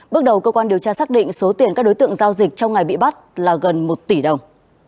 bước đầu cơ quan điều tra xác định số tiền các đối tượng giao dịch trong ngày bị bắt là gần một tỷ đồng